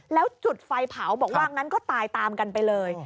แล้วจุดไฟเผาบอกว่างั้นก็ตายตามกันไปเลย